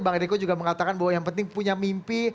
bang eriko juga mengatakan bahwa yang penting punya mimpi